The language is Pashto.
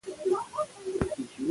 ښه اړیکې موږ خوشحاله او روغ ساتي.